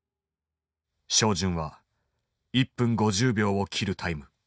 照準は１分５０秒を切るタイム。